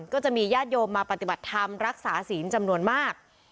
ก็จะมีญาติโยมมาปฏิบัติธรรมรักษาศีลจำนวนมาก